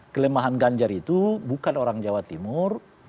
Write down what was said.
kelemahan ganjar itu bukan orang jawa timur